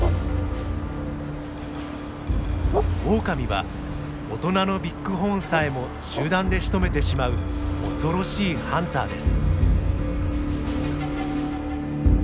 オオカミはおとなのビッグホーンさえも集団でしとめてしまう恐ろしいハンターです。